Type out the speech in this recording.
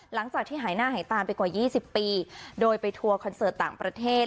หลังจากที่หายหน้าหายตาไปกว่า๒๐ปีโดยไปทัวร์คอนเสิร์ตต่างประเทศ